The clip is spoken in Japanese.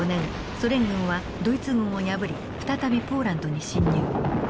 ソ連軍はドイツ軍を破り再びポーランドに侵入。